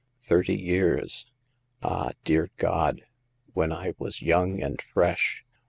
Thirty years ! Ah, dear God ! when I was young and fresh